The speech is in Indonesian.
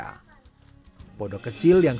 pondok kecil yang diberikan adalah sebuah kabel